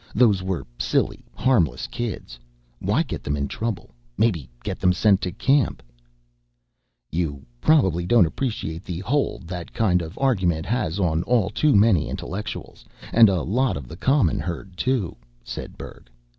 Those were silly, harmless kids why get them in trouble, maybe get them sent to camp? "You probably don't appreciate the hold that kind of argument has on all too many intellectuals and a lot of the common herd, too," said Berg.